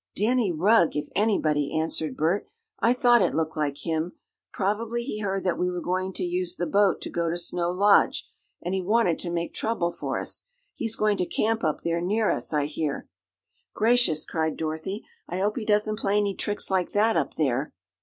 "Danny Rugg if anybody," answered Bert. "I thought it looked like him. Probably he heard that we were going to use the boat to go to Snow Lodge, and he wanted to make trouble for us. He's going to camp up there near us, I hear." "Gracious!" cried Dorothy. "I hope he doesn't play any tricks like that up there."